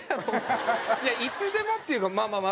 いつでもっていうかまあまあ。